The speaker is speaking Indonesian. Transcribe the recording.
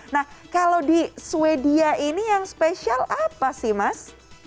nah kalau di sweden ini yang spesial apa sih mas